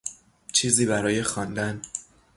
چیزی برای خواندن